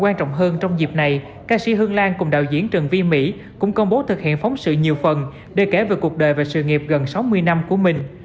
quan trọng hơn trong dịp này ca sĩ hương lan cùng đạo diễn trần vi mỹ cũng công bố thực hiện phóng sự nhiều phần để kể về cuộc đời và sự nghiệp gần sáu mươi năm của mình